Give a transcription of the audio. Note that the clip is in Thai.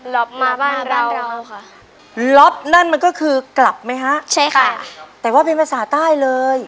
ล็อกมาบ้านเราค่ะล็อปนั่นมันก็คือกลับไหมฮะใช่ค่ะแต่ว่าเป็นภาษาใต้เลย